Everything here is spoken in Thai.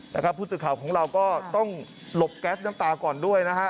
แล้วผู้สื่อข่าวของเราก็ต้องหลบแก๊สน้ำตาก่อนด้วย